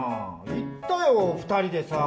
行ったよ、２人でさ。